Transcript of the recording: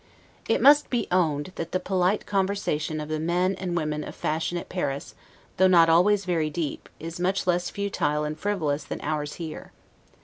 It must be owned, that the polite conversation of the men and women of fashion at Paris, though not always very deep, is much less futile and frivolous than ours here.